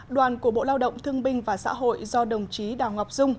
đoàn của bộ lao động thương binh và xã hội do đồng chí đào ngọc dung